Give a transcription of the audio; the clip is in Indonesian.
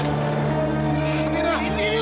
ini udah diketahui